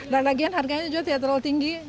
dan lagian harganya juga tidak terlalu tinggi